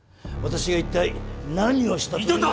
私が一体何をしたと。